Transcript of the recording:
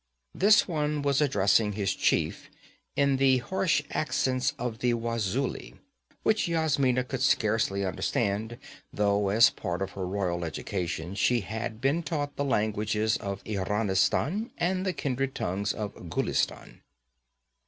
This one was addressing his chief in the harsh accents of the Wazuli which Yasmina could scarcely understand, though as part of her royal education she had been taught the languages of Iranistan and the kindred tongues of Ghulistan.